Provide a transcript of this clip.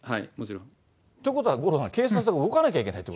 ということは、五郎さん、警察が動かなきゃいけないと。